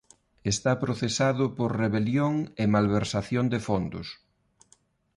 Está procesado por rebelión e malversación de fondos.